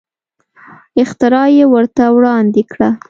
اختراع یې ورته وړاندې کړه.